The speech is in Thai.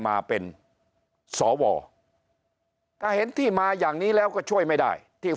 มาเป็นสวถ้าเห็นที่มาอย่างนี้แล้วก็ช่วยไม่ได้ที่